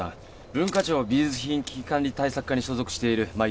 文化庁美術品危機管理対策課に所属しているまあ